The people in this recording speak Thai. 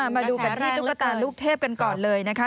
มาดูกันที่ตุ๊กตาลูกเทพกันก่อนเลยนะคะ